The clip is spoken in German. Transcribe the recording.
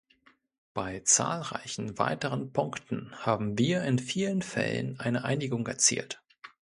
Bei zahlreichen weiteren Punkten haben wir in vielen Fällen eine Einigung erzielt.